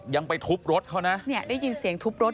ยังไปทุบรถเขานะเนี่ยได้ยินเสียงทุบรถ